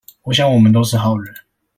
我想我們都是好人